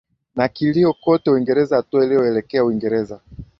na kilio kote Uingereza Hatua iliyooelekea Uingereza